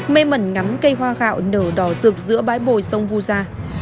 mê mẩn ngắm cây hoa gạo nở đỏ rực giữa bãi bồi sông vu gia